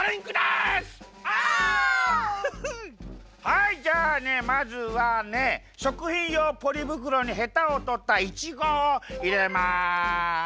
はいじゃあねまずはねしょくひんようポリぶくろにヘタをとったいちごをいれます。